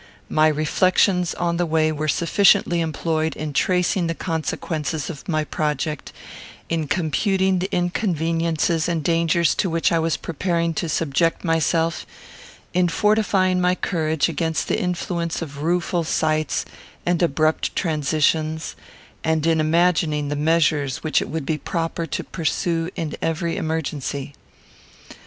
My reflections, on the way, were sufficiently employed in tracing the consequences of my project; in computing the inconveniences and dangers to which I was preparing to subject myself; in fortifying my courage against the influence of rueful sights and abrupt transitions; and in imagining the measures which it would be proper to pursue in every emergency.